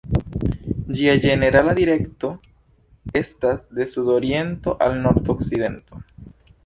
Ĝia ĝenerala direkto estas de sud-oriento al nord-okcidento.